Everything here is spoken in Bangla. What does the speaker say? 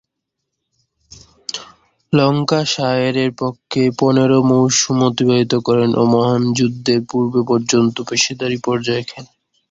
ল্যাঙ্কাশায়ারের পক্ষে পনেরো মৌসুম অতিবাহিত করেন ও মহান যুদ্ধের পূর্ব-পর্যন্ত পেশাদারী পর্যায়ে খেলেন।